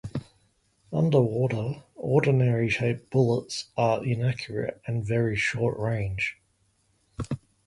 Underwater, ordinary-shaped bullets are inaccurate and very short-range.